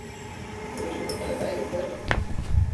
On le trouve au Canada et au Groenland.